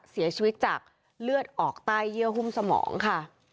เสียชีวิตจากเลือดออกใต้เยื่อหุ้มสมองค่ะ